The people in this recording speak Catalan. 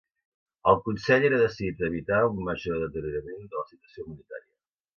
El Consell era decidit a evitar un major deteriorament de la situació humanitària.